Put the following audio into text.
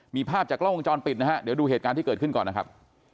มีภาพจากกล้องวงจรปิดนะฮะเดี๋ยวดูเหตุการณ์ที่เกิดขึ้นก่อนนะครับ